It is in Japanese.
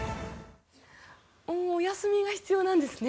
お休みが必要なんですね。